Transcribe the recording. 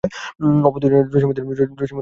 অপর দুজন হলেন জসীম উদ্ দীন এবং বন্দে আলী মিয়া।